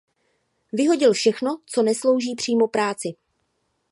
Vyhodil všechno, co neslouží přímo práci.